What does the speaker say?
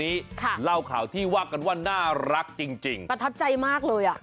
ค่ะเล่าข่าวที่ว่ากันว่าน่ารักจริงจริงประทับใจมากเลยอ่ะ